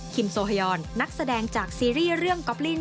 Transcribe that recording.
โซฮยอนนักแสดงจากซีรีส์เรื่องก๊อปลิ้น